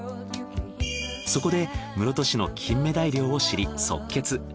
そこで室戸市のキンメダイ漁を知り即決。